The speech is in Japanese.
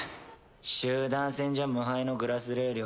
集団戦じゃ無敗のグラスレー寮。